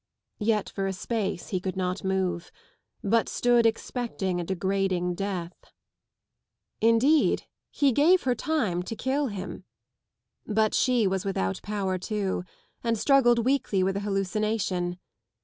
Yet for a space he could not move, hut stood expecting a degrading death. Indeed, he gave her time to kill hint. But she was without power too, and struggled weakly with a hallucination.